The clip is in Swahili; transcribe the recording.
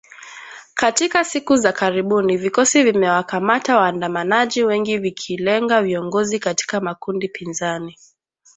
Katika siku za karibuni vikosi vimewakamata waandamanaji wengi vikilenga viongozi katika makundi pinzani